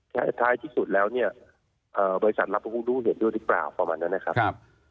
ท้ายที่สุดแล้วเนี่ยบริษัทรับก็คงรู้เห็นด้วยหรือเปล่าประมาณนั้นนะครับ